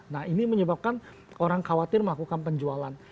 nah ini menyebabkan orang khawatir melakukan penjualan